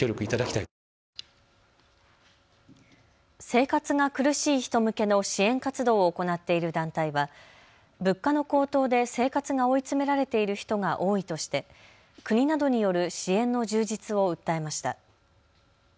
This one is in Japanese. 生活が苦しい人向けの支援活動を行っている団体は物価の高騰で生活が追い詰められている人が多いとして国などによる支援の充実を訴えました。